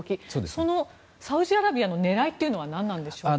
そのサウジアラビアの狙いは何なんでしょうか？